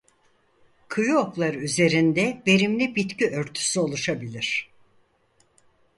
Kıyı okları üzerinde verimli bitki örtüsü oluşabilir.